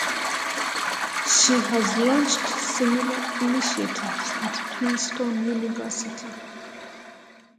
She has launched similar initiatives at Princeton University.